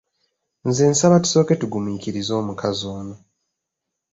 Nze nsaba tusooke tugumiikirize omukazi ono.